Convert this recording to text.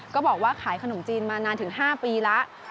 ก็บอกว่าขายขนมจีนมานานถึง๕ปีแล้ว